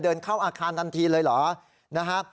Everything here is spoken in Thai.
เดินเข้าอาคารตันทีเลยเหรอ